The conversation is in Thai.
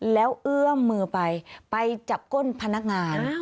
แล้วเอื้อมมือไปไปจับก้นพนักงาน